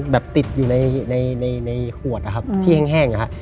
ติดอยู่ในขวดนะครับที่แห้งนะครับ